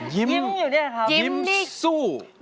ยิ้มอยู่นี่หรอครับ